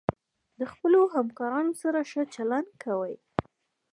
د خپلو همکارانو سره ښه چلند کوئ.